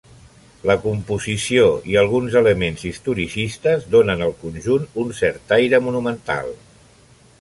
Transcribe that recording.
La composició i alguns elements historicistes donen al conjunt un cert aire monumental.